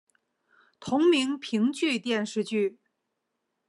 同名评剧电视剧